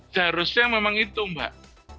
seharusnya memang itu mbak